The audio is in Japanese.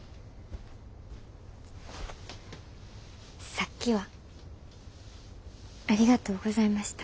さっきはありがとうございました。